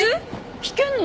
弾けんの？